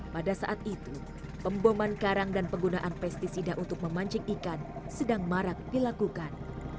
pada saat itu pemboman karang dan penggunaan pesticida untuk memancing ikan sedang marak dilakukan